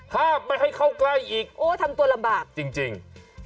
ห้ามไม่ให้เข้าใกล้อีกโอ้ทำตัวลำบากจริง